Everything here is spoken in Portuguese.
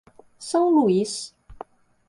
São Luiz